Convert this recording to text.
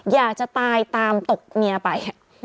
อยากจะตายตามตกเมียไป